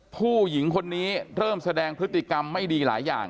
ผู้หญิงคนนี้เริ่มแสดงพฤติกรรมไม่ดีหลายอย่าง